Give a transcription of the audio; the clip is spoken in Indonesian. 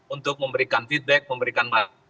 untuk memberikan feedback memberikan